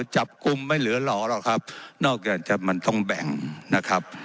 จับกลุ่มไม่เหลือหล่อหรอกครับนอกจากจะมันต้องแบ่งนะครับ